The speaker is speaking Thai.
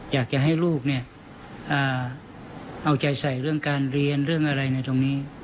อยากจะให้ลูกเนี่ยเอาใจใส่เรื่องการเรียนเรื่องอะไรในตรงนี้